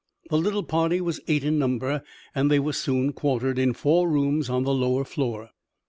The little party was eight in number, and they were soon quartered in four rooms on the lower floor.